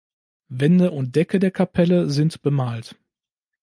Wände und Decke der Kapelle sind bemalt.